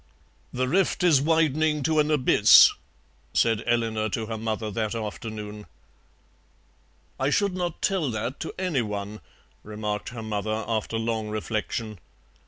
"The rift is widening to an abyss," said Eleanor to her mother that afternoon. "I should not tell that to anyone," remarked her mother, after long reflection.